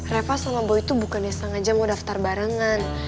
reva sama boy itu bukannya sengaja mau daftar barengan